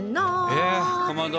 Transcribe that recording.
えっかまど。